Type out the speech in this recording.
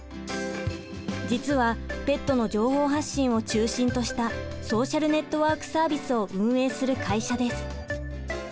実はペットの情報発信を中心としたソーシャルネットワークサービスを運営する会社です。